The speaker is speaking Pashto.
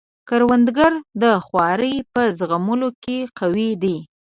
کروندګر د خوارۍ په زغملو کې قوي دی